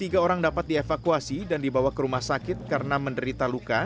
tiga orang dapat dievakuasi dan dibawa ke rumah sakit karena menderita luka